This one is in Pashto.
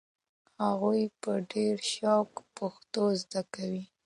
هغوی په ډېر شوق پښتو زده کوي.